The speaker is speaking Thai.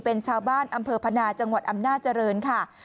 เป็นชาวบ้านอำเภอพนาจังหวัดอำนาจริงค่ะ